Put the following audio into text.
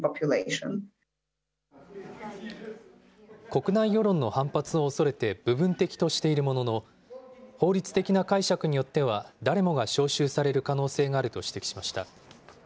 国内世論の反発をおそれて部分的としているものの、法律的な解釈によっては、誰もが招集される可能性があると指摘しました。